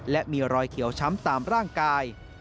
และมีรอยเขียวช้ำตามร่างกาย